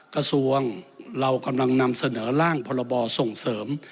กระทรวงเรากำลังนำเสนอร่างพรบส่งเสริม